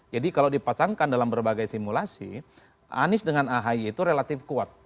jadi kalau dipasangkan dalam berbagai simulasi anies dengan ahy itu relatif kuat